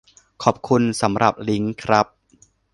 ขอบคุณสำหรับลิงก์ครับ